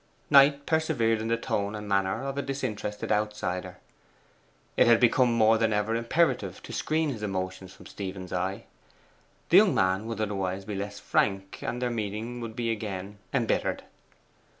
Knight persevered in the tone and manner of a disinterested outsider. It had become more than ever imperative to screen his emotions from Stephen's eye; the young man would otherwise be less frank, and their meeting would be again embittered.